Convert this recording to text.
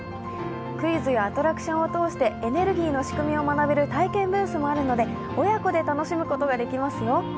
クイズやアトラクションを通してエネルギーの仕組みを学べる体験ブースもあるので親子で楽しむことができますよ。